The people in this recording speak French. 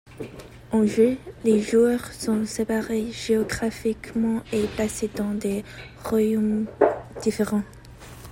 En jeu, les joueurs sont séparés géographiquement et placés dans des Royaumes différents.